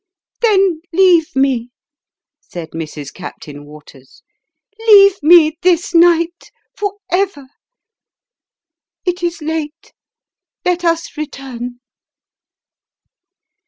" Then leave me," said Mrs. Captain Waters. " Leave me, this night, for ever. It is late : let us return."